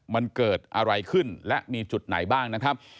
มันเกิดอะไรขึ้นและมีจุดไหนบ้างนะครับ